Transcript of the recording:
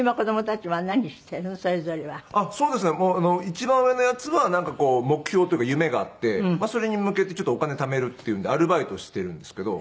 一番上のヤツは目標っていうか夢があってそれに向けてちょっとお金ためるっていうんでアルバイトをしてるんですけど。